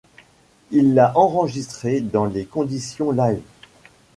Il l'a enregistré dans des conditions live.